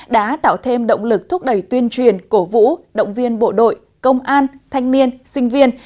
đã tạo thêm động lực thúc đẩy tuyên truyền cổ vũ động viên bộ đội công an thanh niên sinh viên